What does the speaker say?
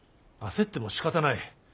焦ってもしかたない。